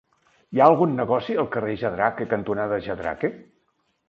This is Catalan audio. Hi ha algun negoci al carrer Jadraque cantonada Jadraque?